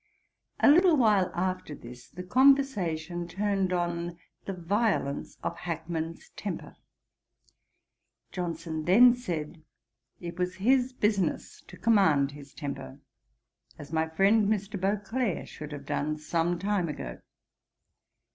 A little while after this, the conversation turned on the violence of Hackman's temper. Johnson then said, 'It was his business to command his temper, as my friend, Mr. Beauclerk, should have done some time ago.'